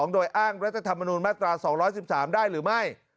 โดยอ้างรัฐธรรมนุนมาตรา๒๑๓ได้หรือไม่